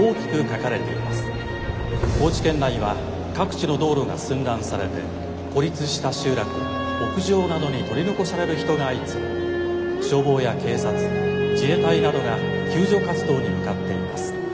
高知県内は各地の道路が寸断されて孤立した集落や屋上などに取り残される人が相次ぎ消防や警察自衛隊などが救助活動に向かっています。